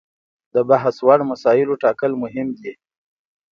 د بحث وړ مسایلو ټاکل مهم دي.